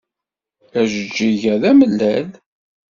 Ajeǧǧig-a d amellal.